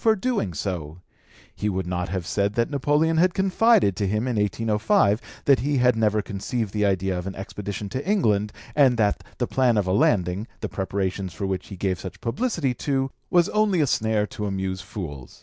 for doing so; he would not have said that Napoleon had confided to him in 1805 that he had never conceived the idea of an expedition into England, and that the plan of a landing, the preparations for which he gave such publicity to, was only a snare to amuse fools.